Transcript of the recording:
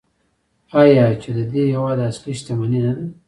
آیا چې د دې هیواد اصلي شتمني نه ده؟